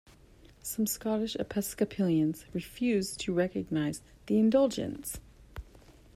Some Scottish Episcopalians refused to recognise the Indulgence.